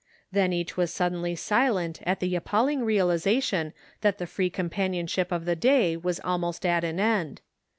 Then each was suddenly silent at the appalling realization that the free companionship of the day was almost at an end.